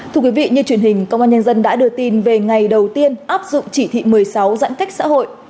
thưa quý vị như truyền hình công an nhân dân đã đưa tin về ngày đầu tiên áp dụng chỉ thị một mươi sáu giãn cách xã hội